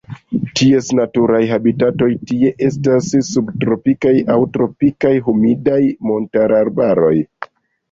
Ties natura habitato tie estas subtropikaj aŭ tropikaj humidaj montararbaroj.